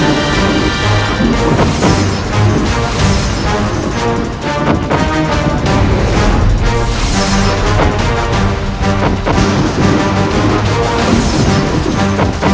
aku akan menghancurkanmu dengan jurusku